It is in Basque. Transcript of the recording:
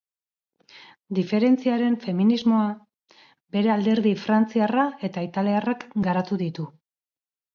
Diferentziaren feminismoa, bere alderdi frantziarra eta italiarrak garatu ditu.